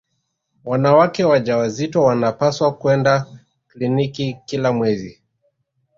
wanawake wajawazito wanapaswa kwenda kliniki kila mwezi